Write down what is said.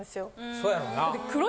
そやろな。